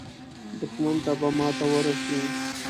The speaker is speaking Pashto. دښمن ته به ماته ورسي.